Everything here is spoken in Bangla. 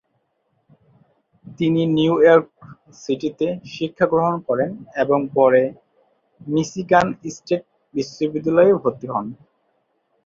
তিনি নিউ ইয়র্ক সিটিতে শিক্ষাগ্রহণ করেন এবং পরে মিশিগান স্টেট বিশ্ববিদ্যালয়ে ভর্তি হন।